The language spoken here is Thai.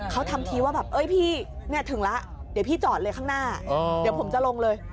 เขาทำทีว่าแบบเอ้ยพี่เนี่ยถึงแล้วเดี๋ยวพี่จอดเลยข้างหน้าเดี๋ยวผมจะลงเลย